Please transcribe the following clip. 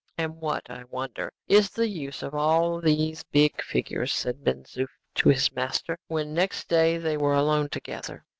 "And what, I wonder, is the use of all these big figures?" said Ben Zoof to his master, when next day they were alone together.